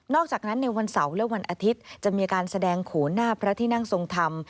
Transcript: อกจากนั้นในวันเสาร์และวันอาทิตย์จะมีการแสดงโขนหน้าพระที่นั่งทรงธรรม